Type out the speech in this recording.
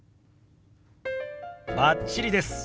バッチリです。